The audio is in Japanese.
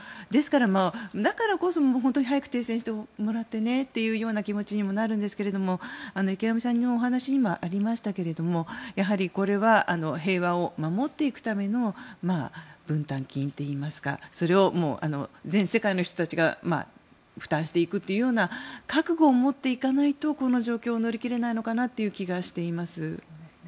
ですから、だからこそ本当に早く停戦してもらってという気持ちにもなるんですが池上さんのお話にもありましたがやはりこれは平和を守っていくための分担金といいますかそれを全世界の人たちが負担していくというような覚悟を持っていかないとこの状況を乗り切れないのかなという気がしています。